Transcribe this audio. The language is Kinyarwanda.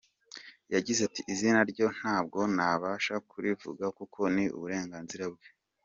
Yagize ati: “Izina ryo ntabwo nabasha kurivuga kuko ni uburenganzira bwe.